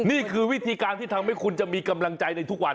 นี่คือวิธีการที่ทำให้คุณจะมีกำลังใจในทุกวัน